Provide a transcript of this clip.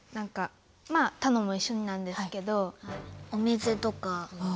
まあ楽も一緒になんですけど。お水とか。